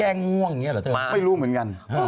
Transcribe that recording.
ง่วงอย่างนี้เหรอเธอไม่รู้เหมือนกัน